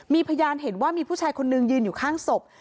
มีพยานเห็นว่ามีผู้ชายคนนึงยืนอยู่ข้างศพ